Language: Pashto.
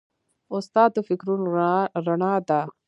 استاد د فکرونو رڼا ده.